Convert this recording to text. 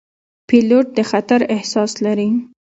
پیلوټ د خطر احساس لري.